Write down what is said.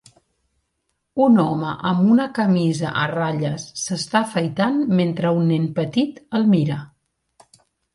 Un home amb una camisa a ratlles s'està afaitant mentre un nen petit el mira.